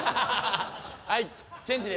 はいチェンジで。